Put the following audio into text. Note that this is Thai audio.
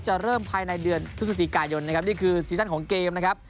จะเริ่มภายในเดือนพฤศจิกายนนะครับนี่คือซีซั่นของเกมนะครับ